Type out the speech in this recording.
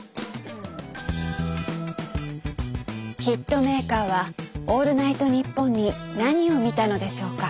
ヒットメーカーは「オールナイトニッポン」に何を見たのでしょうか？